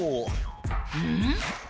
うん？